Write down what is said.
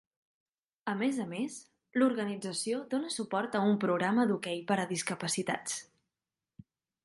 A més a més, l'organització dóna suport a un programa d'hoquei per a discapacitats.